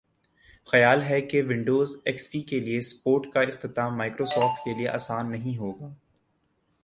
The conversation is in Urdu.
خیال ہے کہ ونڈوز ایکس پی کے لئے سپورٹ کااختتام مائیکروسافٹ کے لئے آسان نہیں ہوگا